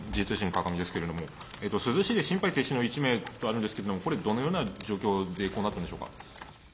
珠洲市で心肺停止の１名とあるんですけれども、これ、どのような状況で、こうなったんでしょうか。